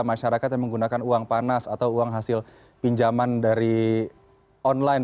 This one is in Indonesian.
masyarakat yang menggunakan uang panas atau uang hasil pinjaman dari online